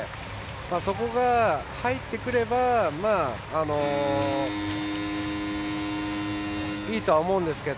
そこが、入ってくればいいとは思うんですけど。